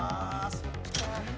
そっちか。